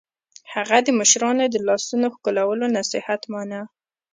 هغه د مشرانو د لاسونو ښکلولو نصیحت مانه